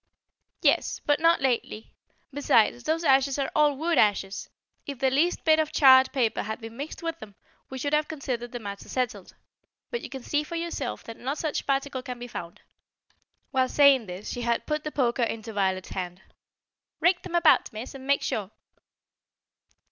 "Yes; but not lately. Besides, those ashes are all wood ashes. If the least bit of charred paper had been mixed with them, we should have considered the matter settled. But you can see for yourself that no such particle can be found." While saying this, she had put the poker into Violet's hand. "Rake them about, Miss, and make sure."